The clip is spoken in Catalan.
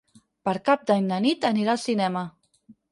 Per Cap d'Any na Nit anirà al cinema.